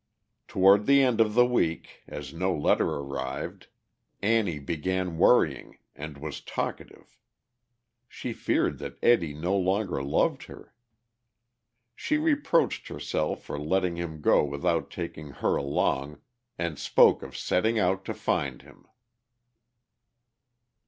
Toward the end of the week, as no letter arrived, Annie began worrying, and was talkative. She feared that Eddie no longer loved her. She reproached herself for letting him go without taking her along, and spoke of setting out to find him.